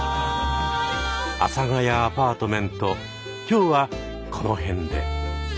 「阿佐ヶ谷アパートメント」今日はこの辺で。